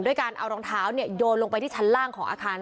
การเอารองเท้าโยนลงไปที่ชั้นล่างของอาคาร